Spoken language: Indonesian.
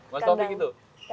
mas taufik itu